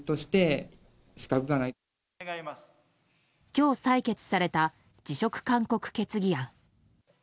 今日、採決された辞職勧告決議案。